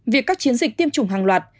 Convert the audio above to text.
việc các chiến dịch tiêm chủng hàng loạt